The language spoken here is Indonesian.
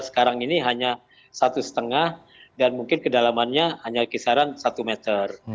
sekarang ini hanya satu lima dan mungkin kedalamannya hanya kisaran satu meter